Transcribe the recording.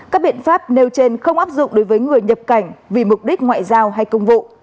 các biện pháp nêu trên không áp dụng đối với người nhập cảnh vì mục đích ngoại giao hay công vụ